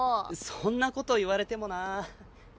そんなこと言われてもな。